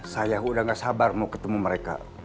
saya udah gak sabar mau ketemu mereka